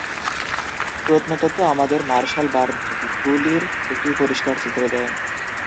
প্রত্নতত্ত্ব আমাদের মার্শালবার্বুলির একটি পরিষ্কার চিত্র দেয়।